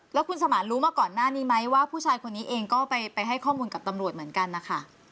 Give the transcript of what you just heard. แล้วคุณสมานรู้มาก่อนหน้านี้ไหมว่าผู้ชายคนนี้เองก็ไปให้ข้อมูลกับตำรวจเหมือนกันนะคะ